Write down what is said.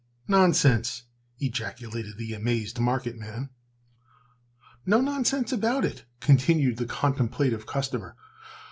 "Nonsense!" ejaculated the amazed market man. "No nonsense about it," continued the contemplative customer.